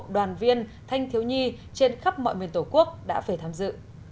đoàn viên thanh thiếu nhi trên khắp mọi miền tổ quốc đã về tham dự